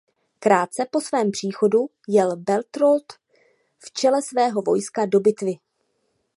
Krátce po svém příchodu jel Berthold v čele svého vojska do bitvy.